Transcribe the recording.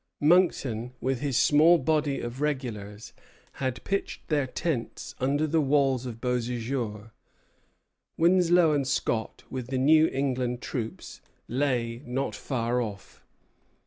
Monckton, with his small body of regulars, had pitched their tents under the walls of Beauséjour. Winslow and Scott, with the New England troops, lay not far off.